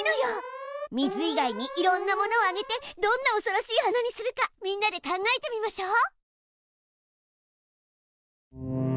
水以外にいろんなものをあげてどんなおそろしい花にするかみんなで考えてみましょう！